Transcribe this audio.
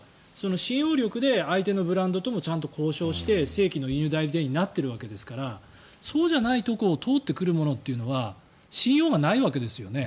信用力で相手のブランドともちゃんと交渉して正規の輸入代理店になっているわけですからそうじゃないところを通ってくるものは信用がないわけですよね。